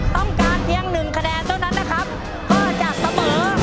ต้องการเพียงหนึ่งคะแนนเท่านั้นนะครับก็จะเสมอ